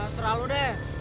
serah lo deh